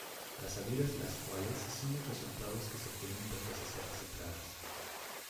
Las salidas, las cuales son los resultados que se obtienen de procesar las entradas.